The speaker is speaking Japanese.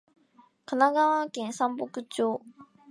神奈川県山北町